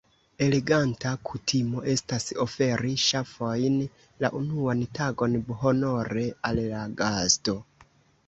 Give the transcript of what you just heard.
Eleganta kutimo estas oferi ŝafojn la unuan tagon honore al la gasto.